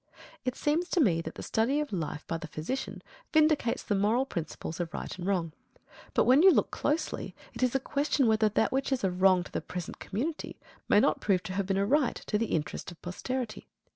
It seems to me that the study of life by the physician vindicates the moral principles of right and wrong. But when you look closely it is a question whether that which is a wrong to the present community may not prove to have been a right to the interests of posterity.